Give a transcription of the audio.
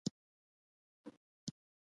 د توازن حس په داخلي غوږ کې ساتل کېږي.